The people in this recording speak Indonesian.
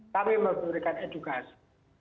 tapi memberikan edukasi